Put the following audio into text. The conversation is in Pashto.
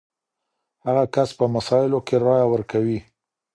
هغه کس په مسايلو کي رايه ورکوي.